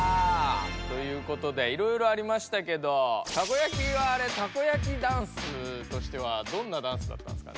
ということでいろいろありましたけどたこやきはあれたこやきダンスとしてはどんなダンスだったんですかね？